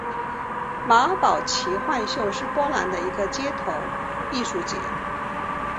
马尔堡奇幻秀是波兰的一个街头艺术节。